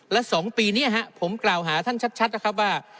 และ๒ปีนี้ผมกล่าวหาท่านชัดนะครับว่า